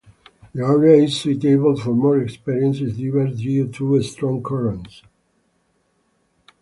The area is suitable for more experienced divers due to strong currents.